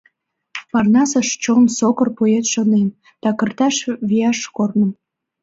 Парнасыш чон сокыр поэт Шонен такырташ вияш корным.